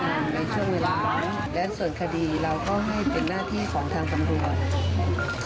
และส่วนคดีเราก็ให้เป็นหน้าที่ของทางกำรวจ